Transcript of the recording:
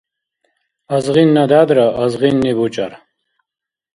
Азгъинна дядра азгъинни бучӀар.